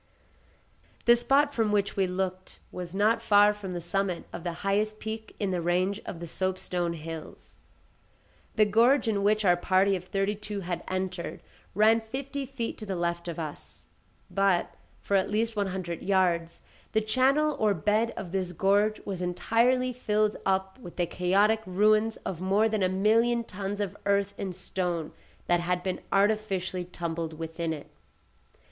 The spot from which we looked was not far from the summit of the highest peak in the range of the soapstone hills. The gorge in which our party of thirty two had entered ran within fifty feet to the left of us. But, for at least one hundred yards, the channel or bed of this gorge was entirely filled up with the chaotic ruins of more than a million tons of earth and stone that had been artificially tumbled within it.